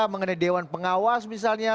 mengenai dewan pengawas misalnya